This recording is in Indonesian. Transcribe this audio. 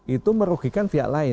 itu merugikan pihak lain